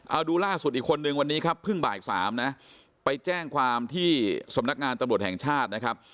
เอาดูล่าสุดอีกคนนึงวันนี้ครับเพิ่งบ่ายสามนะไปแจ้งความที่สำนักงานตำรวจแห่งชาตินะครับ